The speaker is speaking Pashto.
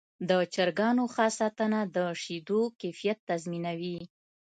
د چرګانو ښه ساتنه د شیدو کیفیت تضمینوي.